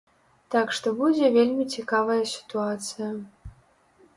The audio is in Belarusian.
Так што будзе вельмі цікавая сітуацыя.